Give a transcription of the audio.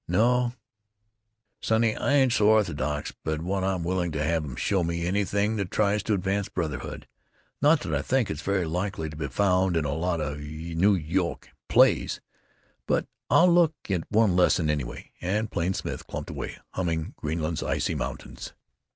No, sonny, I ain't so orthodox but what I'm willing to have 'em show me anything that tries to advance brotherhood. Not that I think it's very likely to be found in a lot of Noo York plays. But I'll look in at one lesson, anyway," and Plain Smith clumped away, humming "Greenland's Icy Mountains."